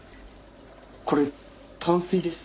これ淡水です。